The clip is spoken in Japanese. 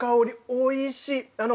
おいしい。